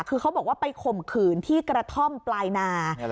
คือเขาบอกว่าไปข่มขืนที่กระท่อมปลายนา